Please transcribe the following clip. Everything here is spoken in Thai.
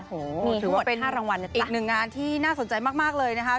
โอ้โหถือว่าเป็นอีกหนึ่งงานที่น่าสนใจมากเลยนะคะ